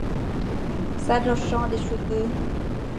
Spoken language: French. S’arrachant les cheveux.